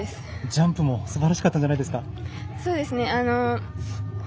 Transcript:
ジャンプもすばらしかったんじゃないですか。